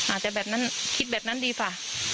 อาจจะคิดแบบนั้นดีค่ะ